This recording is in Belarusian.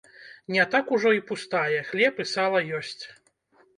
Не так ужо і пустая, хлеб і сала ёсць.